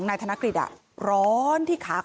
หมาก็เห่าตลอดคืนเลยเหมือนมีผีจริง